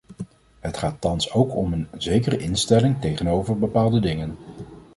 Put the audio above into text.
Het gaat thans ook om een zekere instelling tegenover bepaalde dingen.